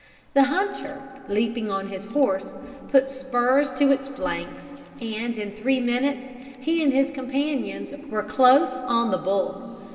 The hunter, leaping on his horse, put spurs to its flanks, and in three minutes he and his companions were close on the bull.